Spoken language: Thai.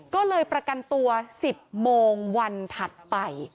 ก็เลยประกันตัว๑๐โมงวันถัดไป